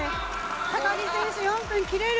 高木選手、４分切れる。